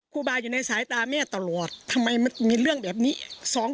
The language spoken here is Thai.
ครูบาอยู่ในสายตาแม่ตลอดทำไมมันมีเรื่องแบบนี้